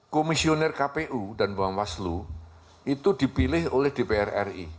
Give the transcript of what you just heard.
komisioner kpu dan bawaslu itu dipilih oleh dpr ri